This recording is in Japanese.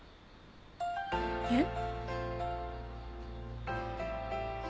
えっ？